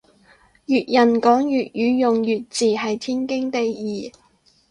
粵人講粵語用粵字係天經地義